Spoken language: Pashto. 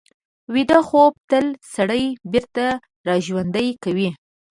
ویده خوب تل سړی بېرته راژوندي کوي